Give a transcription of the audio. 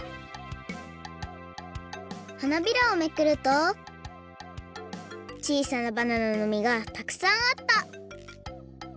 花びらをめくるとちいさなバナナの実がたくさんあった！